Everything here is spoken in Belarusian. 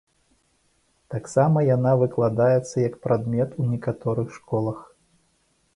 Таксама яна выкладаецца як прадмет у некаторых школах.